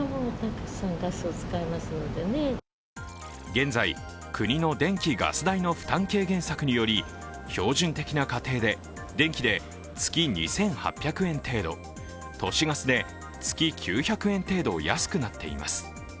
現在、国の電気・ガス代の負担軽減策により標準的な家庭で、電気で月２８００円程度都市ガスで月９００円程度、安くなっています。